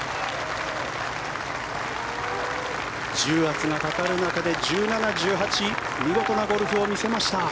重圧がかかる中で１７、１８見事なゴルフを見せました。